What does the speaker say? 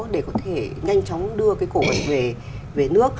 để có thể nhanh chóng đưa cái cổ vật về nước